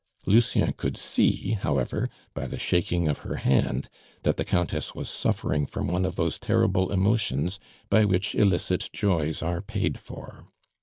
Lucien could see, however, by the shaking of her hand that the Countess was suffering from one of those terrible emotions by which illicit joys are paid for.